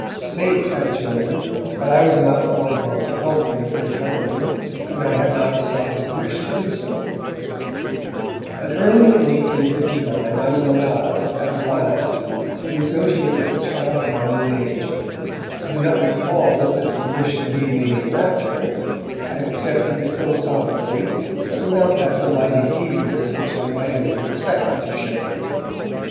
The 'saints' had children, but I was not called upon to cultivate their company, and I had not the slightest wish to do so. But early in 1859 I was allowed, at last, to associate with a child of my own age. I do not recall that this permission gave me any rapture; I accepted it philosophically but without that delighted eagerness which I might have been expected to show.